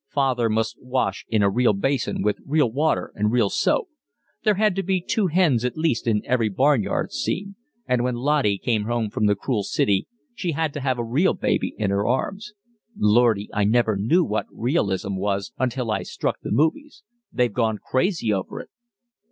Father must wash in a real basin with real water and real soap. There had to be two hens at least in every barnyard scene, and when Lottie came home from the cruel city, she had to have a real baby in her arms. Lordy, I never knew what realism was until I struck the movies. They've gone crazy over it.